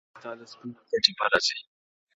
اوس مي هم ياد ته ستاد سپيني خولې ټپه راځـي.